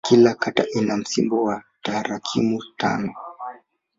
Kila kata ina msimbo wa tarakimu tano.